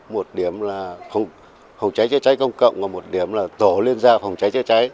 một điểm là phòng cháy chữa cháy công cộng và một điểm là tổ liên gia phòng cháy chữa cháy